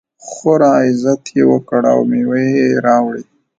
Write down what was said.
خورا عزت یې وکړ او مېوې یې راوړې.